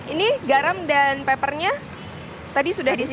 ini garam dan papernya tadi sudah disini ya